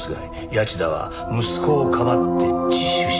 谷内田は息子をかばって自首した。